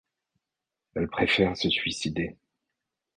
Elle préfère se suicider.